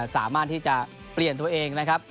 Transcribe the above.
สามารถที่จะเปลี่ยนตัวเองนะครับ